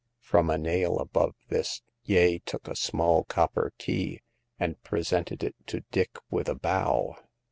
From a nail above this Yeh took a small copper key, and presented it to Dick with a bow.